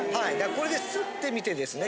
これで擦ってみてですね。